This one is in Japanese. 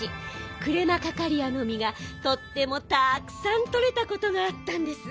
クレマカカリアのみがとってもたくさんとれたことがあったんです。